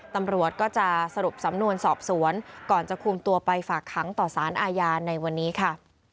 ตำรวจก็จะสรุปสำนวนสอบสวนก่อนจะคุมตัวไปฝากขังต่อสารอาญาในวันนี้ค่ะ